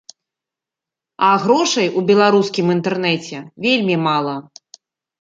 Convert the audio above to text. А грошай у беларускім інтэрнэце вельмі мала.